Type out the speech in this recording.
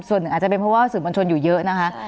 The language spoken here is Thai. ส่วนหนึ่งอาจจะเป็นเพราะว่าสื่อมวลชนอยู่เยอะนะคะ